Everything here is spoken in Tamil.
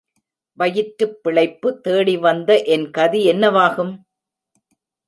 வயிற்றுப் பிழைப்பு தேடிவந்த என் கதி என்னவாகும்?